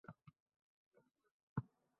Oʻtgan hafta bir video tarqalgan edi.